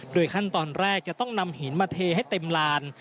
ขั้นตอนแรกจะต้องนำหินมาเทให้เต็มลาน